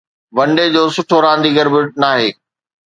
one day جو سٺو رانديگر به ناهي